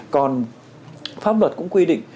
còn pháp luật cũng quy định